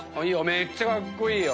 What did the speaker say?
めっちゃカッコイイよ。